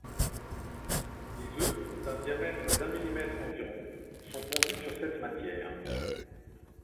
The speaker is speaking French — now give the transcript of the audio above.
Les œufs, d'un diamètre d'un millimètre environ, sont pondus sur cette matière.